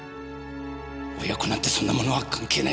親子なんてそんなものは関係ない。